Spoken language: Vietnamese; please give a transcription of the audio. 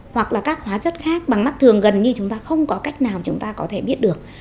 hoặc là các hóa chất khác bằng mắt thường gần như chúng ta không có cách nào chúng ta có thể biết được